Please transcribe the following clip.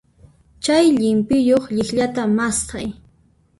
Chay llimp'iyuq llikllata mast'ay.